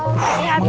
ya om ini ada nih